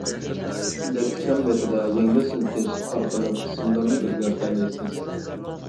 دەتتىكام بېتىدە يەڭگىل سىلكىش ئارقىلىق ئىسىملارنى ئۆزگەرتەلەيسىز.